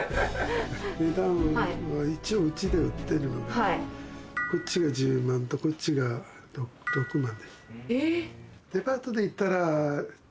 値段は一応うちで売ってるのがこっちが１０万とこっちが６万。ですよね。